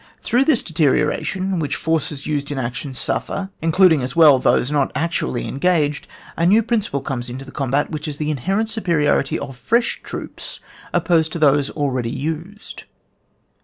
Through this deterioration, which forces used in action suffer, including as well those not actually engaged, a new principle comes into the combat, which is the inherent superiority of fresh troops opposed to those already used.